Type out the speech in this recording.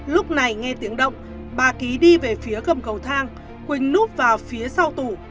lúc này nghe tiếng động bà ký đi về phía gầm cầu thang quỳnh nút vào phía sau tủ